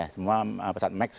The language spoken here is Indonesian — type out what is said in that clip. semua pesawat max